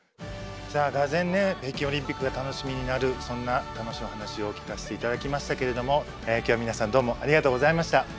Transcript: じゃあがぜんね北京オリンピックが楽しみになるそんな楽しいお話を聞かせていただきましたけれども今日は皆さんどうもありがとうございました。